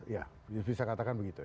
ya bisa katakan begitu